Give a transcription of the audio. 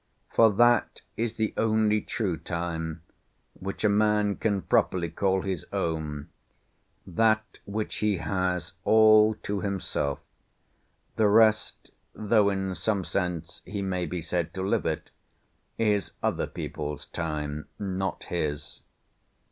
For that is the only true Time, which a man can properly call his own, that which he has all to himself; the rest, though in some sense he may be said to live it, is other people's time, not his.